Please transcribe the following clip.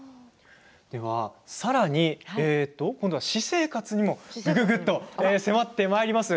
さらに私生活にもぐぐぐっと迫ってまいります。